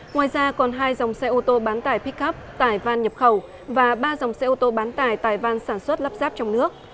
ngoài ra còn hai dòng xe ô tô bán tải pick up tải van nhập khẩu và ba dòng xe ô tô bán tải tải van sản xuất lắp ráp trong nước